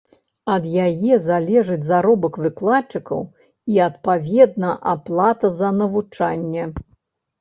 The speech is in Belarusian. Ад яе залежыць заробак выкладчыкаў і, адпаведна, аплата за навучанне.